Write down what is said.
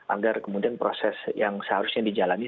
agar kemudian proses yang seharusnya dijalani